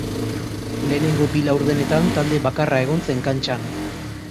Lehenengo bi laurdenetan talde bakarra egon zen kantxan.